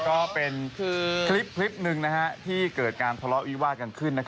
ก็เป็นคลิปหนึ่งที่เกิดการทะเลาะวิวาดกันขึ้น